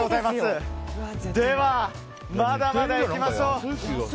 では、まだまだいきましょう。